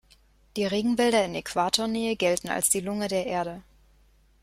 Die Regenwälder in Äquatornähe gelten als die Lunge der Erde.